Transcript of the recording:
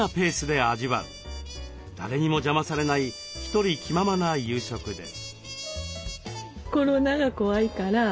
誰にも邪魔されないひとり気ままな夕食です。